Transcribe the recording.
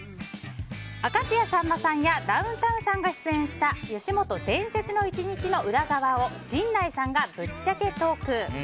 明石家さんまさんやダウンタウンさんが出演した吉本「伝説の一日」の裏側を陣内さんがぶっちゃけトーク。